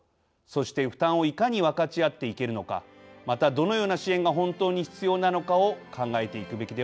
そして負担をいかに分かち合っていけるのかまたどのような支援が本当に必要なのかを考えていくべきではないでしょうか。